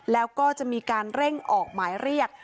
แล้วก็จะมีการเร่งออกหมายเรียก